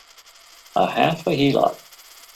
A half a heelot!